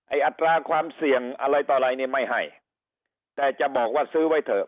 อัตราความเสี่ยงอะไรต่ออะไรนี่ไม่ให้แต่จะบอกว่าซื้อไว้เถอะ